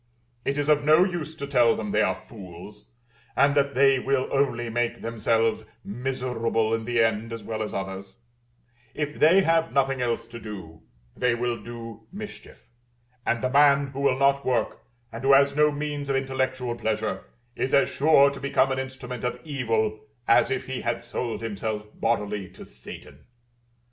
It is of no use to tell them they are fools, and that they will only make themselves miserable in the end as well as others: if they have nothing else to do, they will do mischief; and the man who will not work, and who has no means of intellectual pleasure, is as sure to become an instrument of evil as if he had sold himself bodily to Satan.